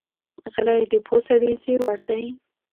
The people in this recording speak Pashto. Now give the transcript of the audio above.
غلی، د پوه سړي زیور دی.